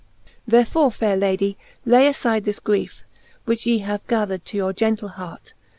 XLVl. Therefore, faire Lady, lay aiide this griefe. Which ye have gathered to your gentle hart.